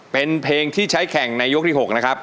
เป็นเพลงที่ใช้แข่งในยกที่๖นะครับ